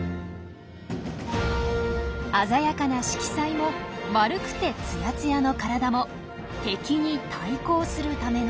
鮮やかな色彩も丸くてツヤツヤの体も敵に対抗するためのもの。